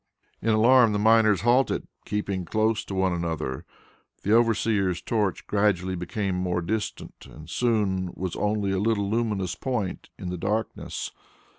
In alarm, the miners halted, keeping close one to another. The overseer's torch gradually became more distant and soon was only a little luminous point in the darkness.